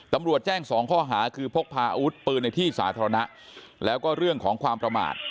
ตำรวจแจ้งสองข้อหาคือพกพาอาวุธปืนในที่สาธารณะแล้วก็เรื่องของความประมาท